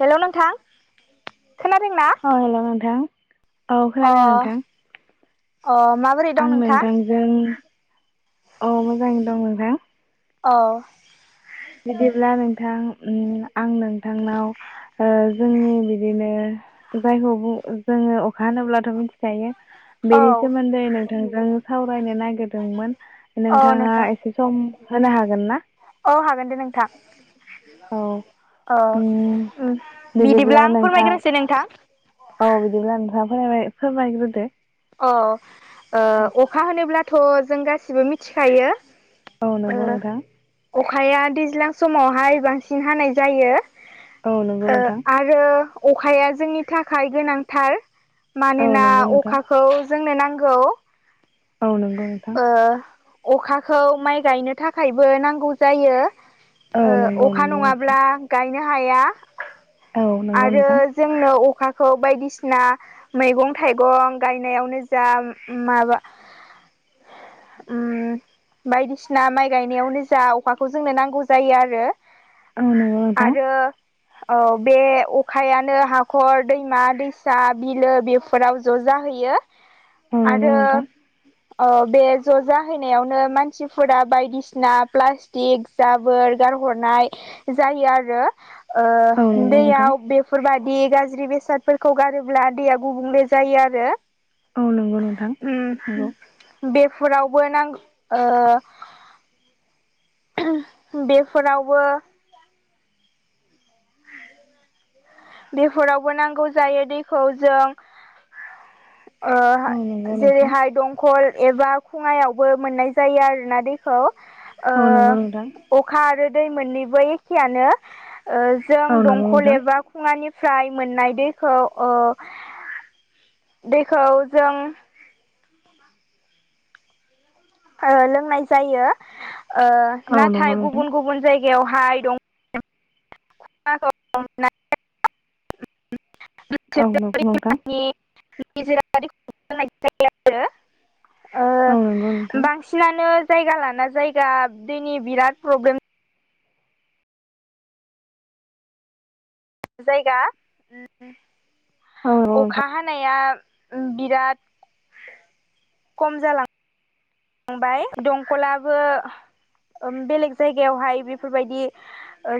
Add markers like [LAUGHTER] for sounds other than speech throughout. Hello नोंथां खोनादोंना अ हेलौ नोंथां औ अ खोनादों नोंथां अ माबोरै दं आं नोंथां जों औ मोजाङैनो दं नोंथां औ बिदिब्ला नोंथां उम आं नोंथांनाव ओ जोंनि बिदिनो जायखौ जोङो अखा होब्लाथ' मिथि जायो औ बेनि सोमोन्दै नोंथांजों सावरायनो नागिरदोंमोन। औ नोंथाङा नोंथां एसे सम होनो हागोन ना? औ हागोन दे नोंथां औ अ उम बिदिब्ला आं फोरमायग्रोसै नोंथां औ बिदिब्ला नोंथाङा फोरमाय फोरमायग्रोदो अ औ ओ अखा होनोब्लाथ' जों गासिबो मिथिखायो औ नंगौ ओ नोंथां अखाया दैज्लां समावहाय बांसिन हानाय जायो औ नंगौ ओ नोंथां आरो रो अखाया जोंनि थाखाय गोनांथार औ मानोना नंगौ नोंथां अखा खौ जोंनो नांगौ औ नंगौ नोंथां ओ अखाखौ माइ गायनो थाखायबो नांगौ जायो। औ ओ नंगौ अखा नंगौ नोंथां नङाब्ला गायनो हाया औ नंगौ आरो नोंथां जोंनो अखाखौ बायदिसिना मैगं थाइगं गायनायावनो जा माबा उम बायदिसिना माइ गायनायावनो जा अखाखौ जोंनो नांगौ जायो आरो औ नंगौ नोंथां आरो औ बे अखायानो हाखर दैमा दैसा बिलो बेफोराव ज'जा हैयो औ नंगौ आरो नोंथां औ बे ज' जाहैयावनो मानसिफोरा बायदिसिना प्लास्ट टिक जाबोर गारहरनाय जायो आरो औ ओ नंगौ नोंथां दैयाव बे फोरबायदि गाज्रि बेसादफोरखौ गारोब्ला दैया गुबुंले जायो आरो औ नंगौ नंगौ नोंथां उम बेफोरावबो नां ओ बेफोरावबो बेफोरावबो नांगौ जायो दैखौ जों ओ औ नंगौ नोंथां जेरैहाय दं खल एबा खुङायावबो मोननाय जायो आरोना दैखौ ओ औ नंगौ नोंथां अखा आरो दै मोननैबो एखेआनो ओ जों औ नंगौ दंखल नोंथां एबा फुुङानिफ्राय मोननाय दैखौ ओ दैखौ जों लोंनाय जायो ओ औ नंगौ नाथाय नोंथां गुबुन गुबुन जायगायावहाय दं [UNINTELLIGIBLE] औ नंगौ नोंथां [UNINTELLIGIBLE] आरो ओ औ नंगौ नोंथां बांसि सिनानो जायगा लाना जायगा दैनि बिराद प्रब्लेम जायगा औ नंगौ अखा हा नाया बिराद खम जालां थांबाय दंखलाबो बेलेग जायगायावहाय बेफोरबायदि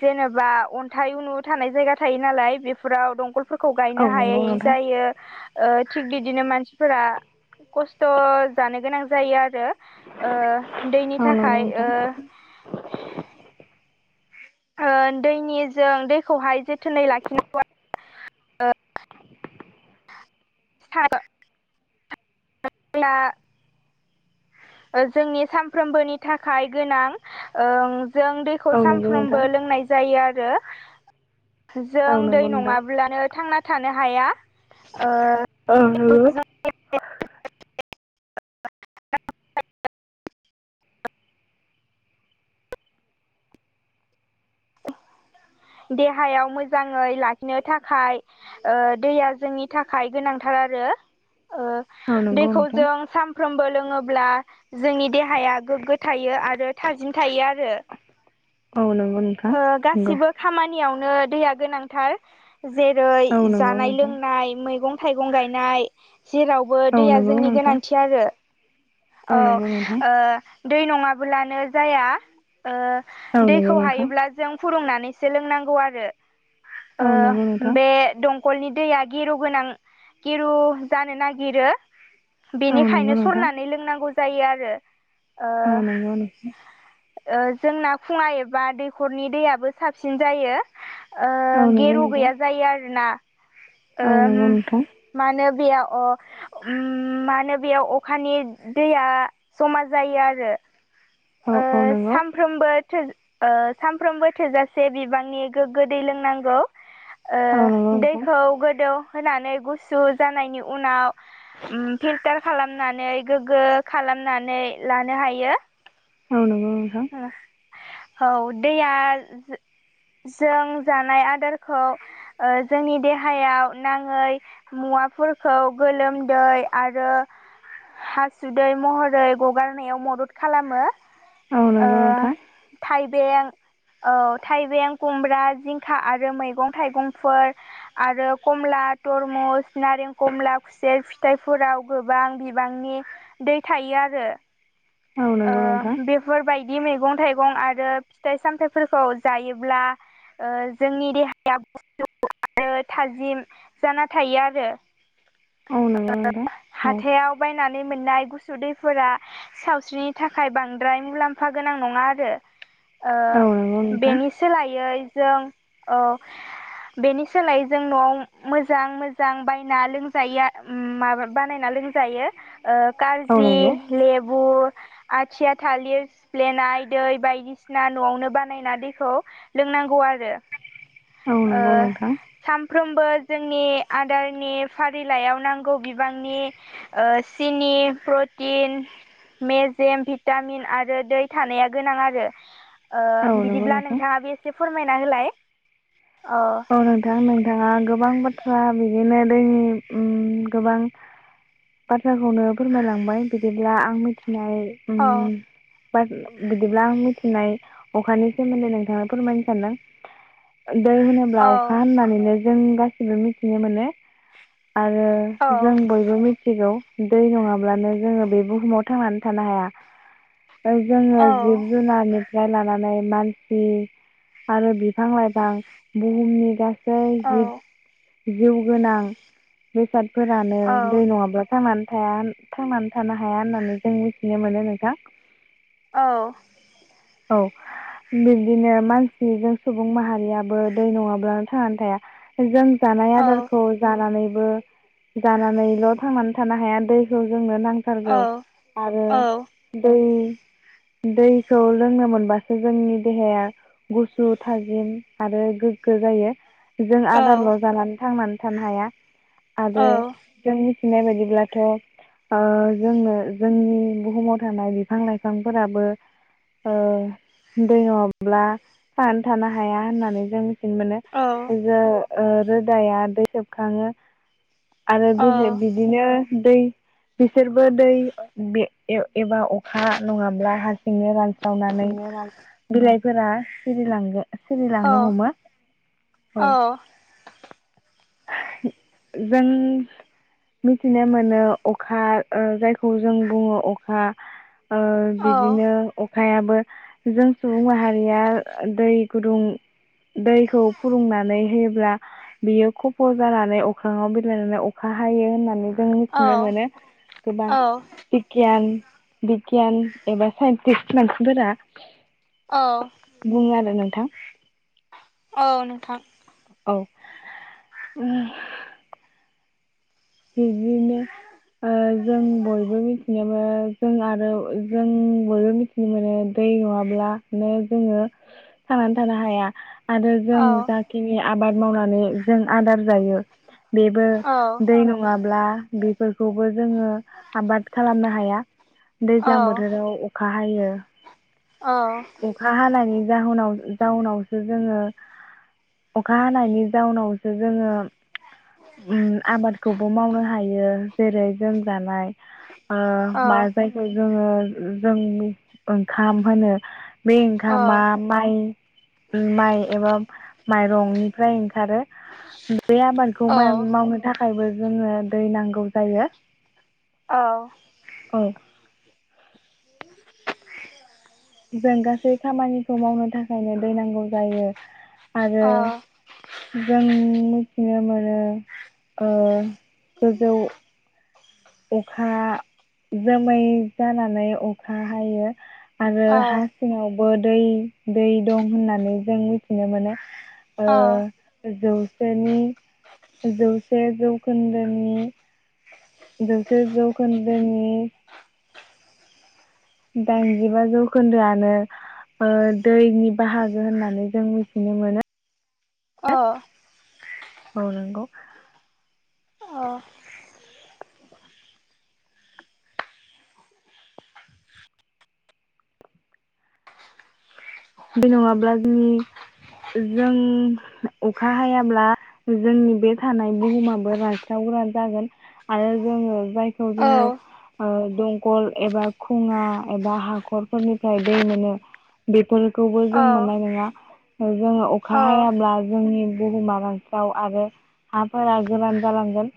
जेनेबा अन्थाइ उनु थानाय जायगा थायो नालाय बेफोराव दंखल फोरखौ नोंथां औ गायनो हायै नंगौ नोंथां औ नंगौ नोंथां जायो। ओ थिग बिदिनो मानसिफोरा खस्थ' जानो गोनां जायो आरो। ओ दैनि औ नंगौ नोंथां औ थाखाय नंगौ ओ नोंथां ओ दैनिजों दैखौहाय जोथोनै लाखिनांगौ [UNINTELLIGIBLE] ओ जोंनि सानफ्रोमबोनि थाखाय गोनां ओं जों दै खौ औ नंगौ औ नंगौ नोंथां सानफ्रबो लोंनाय जायो आरो। जों दै नङाब्लानो थांना थानो हाया ओ ओं हेलौ देहायाव मोजाङै लाखिनो थाखाय ओ दैया जोंनि थाखाय गोनांथार आरो ओ दैखौ जों साम फ्रोमबो लोङोब्ला जोंनि देहाया गोग्गो थायो आरो थाजिम थायो आरो। औ नंगौ नों ओ गासिबो खामानियावनो दैया गोनांथार जेरै औ नंगौ जानाय नोंथां लोंनाय मैगं थाइगं गायनाय जेराव बो औ दैया नंगौ जोंनि नोंथां गोनांथि आरो औ नंगौ नोंथां ओ दै नङाब्लानो जाया ओ औ नंगौ दैखौ नोंथां हायो। बा जों फुदुंनानैसो लोंनांगौ आरो औ नंगौ ओ नोंथां बे दं कलनि दैया गेरु गोनां गेरु जानो नागिरो। औ नंगौ बेनिखायनो नोंथां सरनानै लोंनांगौ जायो आरो ओ औ नंगौ नोंथां ओ जोंना खुङा एबा दैखरनि दैयाबो साबसिन जायो। ओ औ नंगौ गेरु नोंथां गैया जायो आरोना औ ओ नंगौ नोंथां मानो बेया अ उम मानो बेयाव अखानि दैया जमा जायो आरो। औ ओ औ नंगौ साम फ्रामबो थो सानफ्रोमबो थोजासे बिबांनि गोग्गो दै लोंनांगौ। ओ औ नंगौ दैखौ नोंथां गोदौहोनानै गुसु जानायनि उनाव उम फिल्टार खालामनानै गोग्गो खालामनानै लानो हायो। औ नोंगौ नोंथां औ दैया जों जानाय आदारखौ ओ जोंनि देहायाव नाङै मुवाफोरखौ गोलोमदै आरो हासुदै महरै गगारनायाव मदद खालामो औ ओ नंगौ नोंथां थाइबें औ थाइबें खुमब्रा जिंखा आरो मैगं थाइगंफोर आरो कमला तरमुस नारें खमला खुसेर फिथाइफोराव गोबां बिबांनि दै थायो आरो। औ नंगौ नोंथां ओ बेफोरबायदि मैगं थाइगं आरो फिथाइ सामथाइफोरखौ जायोब्ला ओ जोंनि देहाया [UNINTELLIGIBLE] आरो थाजिम जाना थायो आरो। औ नंगौ नोंथां हाथायाव बायनानै मोननाय गुसु दैफोरा साव थ्रि थाखाय बांद्राय मुलाम्फा गोनां नङा आरो ओ औ नंगौ नोंथां बेनि सोलायो जों औ बेनि सोलायै जों न'आव मोजां मोजां बायना लोंजायो माबा बानायना लोंजायो जायो ओ औ कारजि नंगौ लेबु आथिया थालिर सिफ्लेनाय दै बायदिसिना न'आवनो बानायना दैखौ लोंनांगौ आरो औ ओ नंगौ नोंथां सानफ्रोमबो जोंनि आदारनि फारिलायाव नांगौ बिबांनि सिनि प्रटिन मेजेम भिटामिन आरो दै थानाया गोनां आरो ओ औ नंगौ बिदिब्ला नोंथां नोंथाङाबो एसे फोरमायना होलाय अ औ नोंथां नोंथाङा गोबां बाथ्रा बिदिनो दैनि उम गोबां बाथ्राखौनो फोरमायलांबाय बिदिब्ला आं मिथिनाय औ बा बिदिब्ला आं मिथिनाय अखानि सोमोन्दै नोंथानो फोरमायनो सानदों दै होनोब्ला अखा औ होननानैनो जों गासिबो मिथिनो मोनो आरो जों बयबो मिथिगौ दै नङाब्लानो जोङो बे बुहुमाव थांनानै थानो हाया जोङो औ जिब जुनारनि फ्रा लानानै मानसि आरो बिफां लाइफां बुहुमनि गास गसै औ जिब जिउ गोनां बेसादफोरानो औ दै नङाब्ला थांनानै थाया थांनानै थानो हाया होननानै जों मिथिनो मोनो नोंथां औ औ बिब्दिनो मानसि जों सुबुं माहारियाबो दै नङाब्लानो थांनानै थाया जों जानाय आदारखौ जानानैबो जानानैल' थांनानै थानो हाया दैखौ जोंनो औ नांथारगौ आरो औ औ दै दैखौ लोंनो मोनबासो जोंनि देहाया गुसु थाजिम आरो गोग्गो जायो जों औ आदारल' जानानै थांनानै थानो हाया आरो जों मिथिनाय बायदिब्लाथ' जोंनो जोंनि बुहुमाव थानाय बिफां लाइफांफोराबो ओ दै नङाब्ला थांनानै थानो हाया होननानै जों मिथिनो मोनो औ रो ओ रोदाया दै सेबखाङो आरो बि बि बिदिनो दै बिसोरबो दै एबा अखा नङाब्ला हारसिंनो रान सावनानै बिलाइफोरा सिरिलां सिरिलांनो हमो औ जों मिथिनो मोनो अखा जायखौ जों बुङो अखा ओ बिदिनो अखायाबो जों सुबुं माहारिया दै गुदुं दैखौ फुदुंनानै होयोब्ला बियो खफ जानानै अख्राङाव बिलाइनानै अखा हायो होननानै जों मिथिनो मोनो गोबां औ बिगियान बिगियान एबा साइन्टिस्ट मानसिफोरा औ बुङो आरो नोंथां औ नोंथां औ बिदिनो जों बयबो मिथिनो मोनो जों आरो जों बयबो मिथिनो मोनो दै नङाब्लानो जोङो थांनानै थानो हाया आरो जों औ जाखिनि आबाद मावनानै जों आदार जायो बेबो औ दै ङाब्ला बेफोरखौबो जोङो आबाद खालामनो हाया औ दैज्लां बोथोराव राव अखा हायो औ अखा हानायनि जाहोनाव जाउनावसो जोङो अखा हानायनि जाउनावसो जोङो उम आबाद खौबो मावनो हायो जेरै लोमजानाय ओ औ मा जाय जोङो जों ओंखाम होनो बे ओंखामा माइ माइ एबा माइरंनिफ्राय ओंखारो बे आबादखौ औ मावनो थाखायबो जोङो दै नांगौ जायो औ औ जों गासै खामानिखौ मावनो थाखायनो दै नांगौ जायो आरो जों मिथिनो मोनो ओ गोजौ अखा जोमै जानानै अखा हायो आरो हा सिङावबो दै दै दं होननानै जों मिथिनो मोनो ओ अ जौसेनि जौसे जौखोन्दोनि जौसे जौखोनदोंनि दाइनजिबा जौखोन्दोआनो ओ दैनि बाहागो होननानै जों मिथिनो मोनो अ औ नंगौ बे नङाब्ला जोंनि जों अखा हायाब्ला जोंनि बे थानाय बुहुमाबो रानस्रावग्रा जागोन आरो जोङो जाय खौ जोङो ओ दं कल एबा खुङा एबा हाखरफोरनिफ्राय दै मोनो बेफोर खौबो जों मोननाय नोङा जोङो अखा हायाब्ला जोंनि बुहुमा रानस्राव आरो हाफोरा गोरान जालांगोन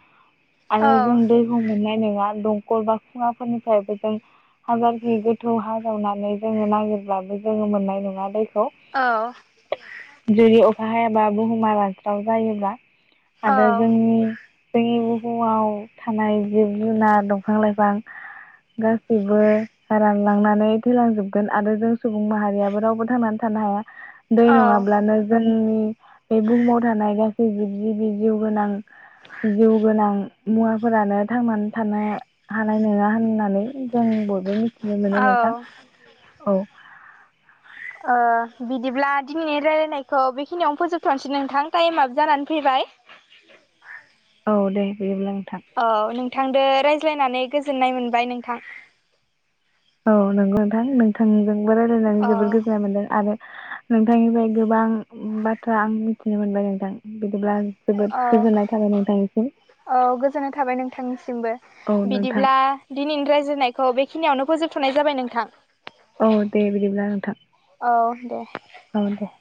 आरो जों दै [UNINTELLIGIBLE] मोननाय नोङा दंखल बा खुङाफोरनिफ्रायबो जों हाजारखि गोथौ हा जावनानै जोङो नागिरब्लाबो जोङो मोननाय नङा दैखौ औ जुदि अखा हायाबा बुहुमा रानस्राव जायोब्ला औ आरो जोंनि जोंनि बुहुमाव थानाय जिब जुनार दंफां लाइफां गासैबो रानलांनानै थैलांजोबगोन आरो जों सुबुं माहारियाबो रावबो थांनानै थानो हाया दै औ नङाब्लानो जोंनि बे बुहुमाव थानाय गासै जिब जिबि जिउ गोनां जिउ गोनां मुवाफोरानो थांनानै थानो हानाय नोङा होननानै जों बयबो मिथिनो मोनो नोंथां ओ औ ओ बिदिब्ला दिनैनि रायलायनायखौ बेखिनियावनो फोजोबथ'नोसै नोंथां टाइमाब जानानै फैबाय औ दे बिदिब्ला नोंथां औ नोंथांजों रायज्लायनानै गोजोननाय मोनबाय नोंथां औ नंगौ नोंथां नोंथांजोंबो रायजलायनानै औ जोबोर गोजोन्नाय मोन्दों आरो नोंथांनिफ्राय गोबां बाथ्रा आं मिथिनो मोनबाय नोंथां बिदिब्ला जोबोद औ गोजोननाय थाबाय नोंथांनिसिम औ गोजोननाय थाबाय नोंथांनिसिमबो औ नोंथां बिदिब्ला दिनैनि रायजायनायखौ बेखिनियावनो फोजोबथ'नाय जाबाय नोंथां औ दे बिदिब्ला नोंथां औ दे औ दे